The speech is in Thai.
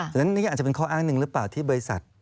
ฉะนั้นนี่ก็อาจจะเป็นข้ออ้างหนึ่งหรือเปล่าที่บริษัท